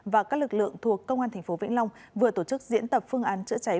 và các lực lượng thuộc công an tp vĩnh long vừa tổ chức diễn tập phương án chữa cháy